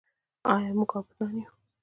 آیا موږ عابدان یو؟